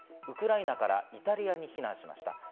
ウクライナからイタリアに避難しました。